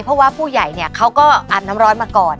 เพราะว่าผู้ใหญ่เนี่ยเขาก็อาบน้ำร้อนมาก่อน